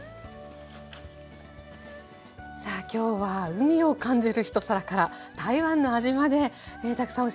さあきょうは海を感じる一皿から台湾の味までたくさん教えて頂きました。